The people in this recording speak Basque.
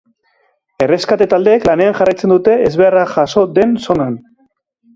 Erreskate taldeek lanean jarraitzen dute ezbeharra jazo den zonan.